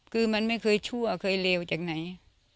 คือมันไม่เคยชั่วเคยเลวจากไหน